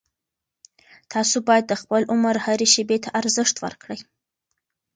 تاسو باید د خپل عمر هرې شېبې ته ارزښت ورکړئ.